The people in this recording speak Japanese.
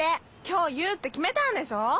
今日言うって決めたんでしょ？